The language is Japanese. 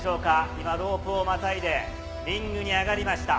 今、ロープをまたいで、リングに上がりました。